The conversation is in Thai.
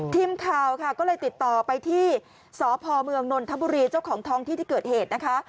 ทีมข่าวค่ะก็เลยติดต่อไปที่สพเมืองนนทบุรีเจ้าของท้องที่ที่เกิดเหตุนะคะ